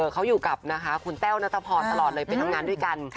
เขาอยู่กับคุณแต้วนัทพรตลอดเลยไปทำงานด้วยกัน